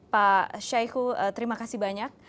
pak syaihu terima kasih banyak